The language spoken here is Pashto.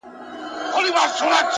خبرېږم زه راته ښېراوي كوې!